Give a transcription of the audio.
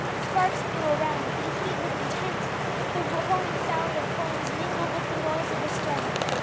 Sparks flew around, the heat was intense, the roaring sound of flames mingled with the noise of the storm.